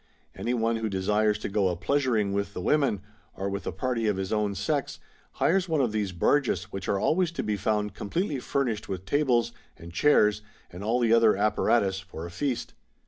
Any one who desires to go a pleasuring with the women, or with a party of his own sex, hires one of these barges, which are always to be found completely furnished with tables and chairs and all the other apparatus for a feast.